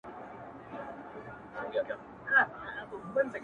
نن سخت کار وکړه.